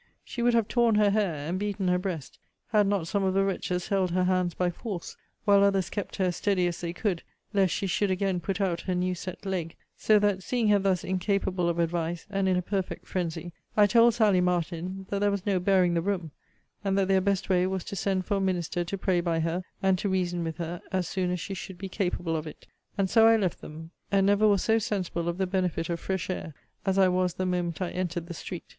She would have torn her hair, and beaten her breast, had not some of the wretches held her hands by force, while others kept her as steady as they could, lest she should again put out her new set leg; so that, seeing her thus incapable of advice, and in a perfect phrensy, I told Sally Martin, that there was no bearing the room; and that their best way was to send for a minister to pray by her, and to reason with her, as soon as she should be capable of it. And so I left them; and never was so sensible of the benefit of fresh air, as I was the moment I entered the street.